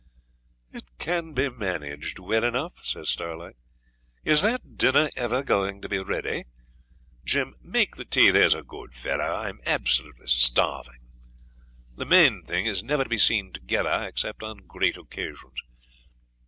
'It can be managed well enough,' says Starlight. 'Is that dinner ever going to be ready? Jim, make the tea, there's a good fellow; I'm absolutely starving. The main thing is never to be seen together except on great occasions.